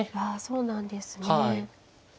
あそうなんですね。